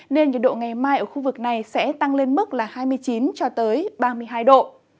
nên nhiệt độ ngày mai ở khu vực này sẽ tăng lên mức hai mươi chín ba mươi hai độ